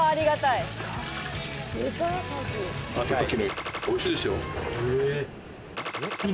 カキの、おいしいですよ。